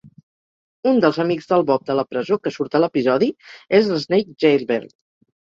Un dels amics del Bob de la presó que surt a l'episodi és l'Snake Jailbird.